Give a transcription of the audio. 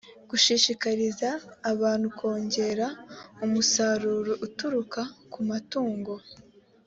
gushishikariza abantu kongera umusaruro uturuka ku matungo